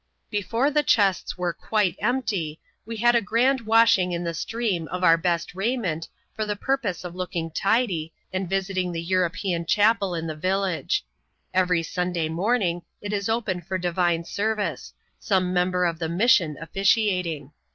Before the chests were quite empty, we had a grand washing in the stream of our best raiment, for the purpose of looking tidy, and visiting the European chapd in the village. Every gmidaj morning it is open for divine service, some member of the mission officiating.